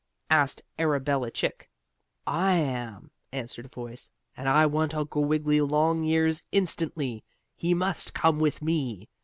asked Arabella Chick. "I am," answered a voice, "and I want Uncle Wiggily Longears instantly! He must come with me!"